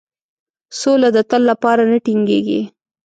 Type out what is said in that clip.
سوله د تل لپاره نه ټینګیږي.